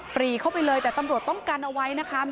รีเข้าไปเลยแต่ตำรวจต้องกันเอาไว้นะคะ